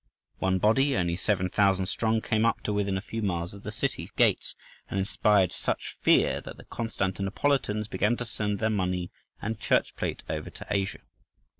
One body, only 7,000 strong, came up to within a few miles of the city gates, and inspired such fear that the Constantinopolitans began to send their money and church plate over to Asia.